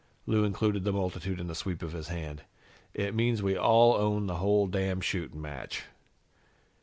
Lou included the multitude in a sweep of his hand. "It means we all own the whole damn shootin' match."